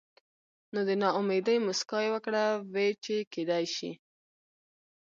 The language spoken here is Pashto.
نو د نا امېدۍ مسکا يې وکړه وې چې کېدے شي